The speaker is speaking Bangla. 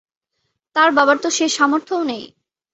তার বাবার তো সে সামর্থও নেই।